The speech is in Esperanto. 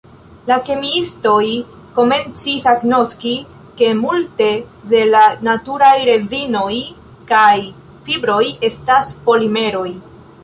La kemiistoj komencis agnoski, ke multe de la naturaj rezinoj kaj fibroj estas polimeroj.